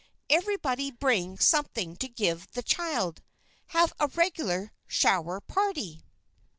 Everybody bring something to give the child have a regular 'shower' party."